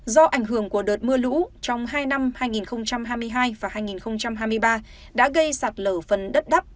do ảnh hưởng của đợt mưa lũ trong hai năm hai nghìn hai mươi hai và hai nghìn hai mươi ba đã gây sạt lở phần đất đắp